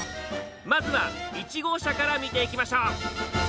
まずは１号車から見ていきましょう。